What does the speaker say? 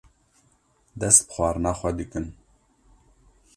dest bi xwarina xwe dikin.